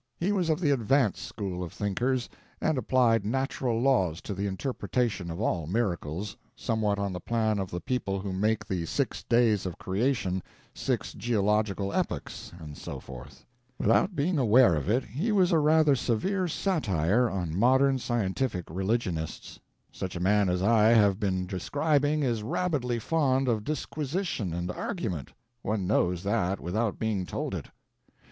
He was of the "advanced" school of thinkers, and applied natural laws to the interpretation of all miracles, somewhat on the plan of the people who make the six days of creation six geological epochs, and so forth. Without being aware of it, he was a rather severe satire on modern scientific religionists. Such a man as I have been describing is rabidly fond of disquisition and argument; one knows that without being told it.